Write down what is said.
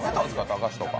駄菓子とか。